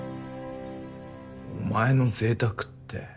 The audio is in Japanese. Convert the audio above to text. お前の贅沢って。